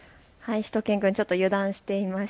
しゅと犬くん、ちょっと油断していました。